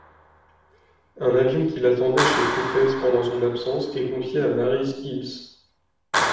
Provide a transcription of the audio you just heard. Un avion qui l'attendait chez Potez pendant son absence est confié à Maryse Hilsz.